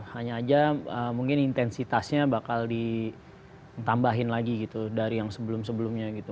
hanya aja mungkin intensitasnya bakal ditambahin lagi gitu dari yang sebelum sebelumnya gitu